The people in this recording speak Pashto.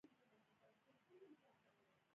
د پیرودونکي باور ترلاسه کول وخت غواړي.